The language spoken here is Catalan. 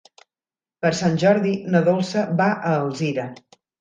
Per Sant Jordi na Dolça va a Alzira.